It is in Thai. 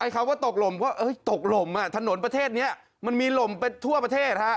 เขาก็ตกลมตกลมถนนประเทศนี้มันมีลมไปทั่วประเทศ